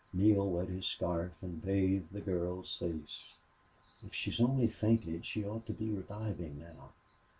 Neale wet his scarf and bathed the girl's face. "If she's only fainted she ought to be reviving now.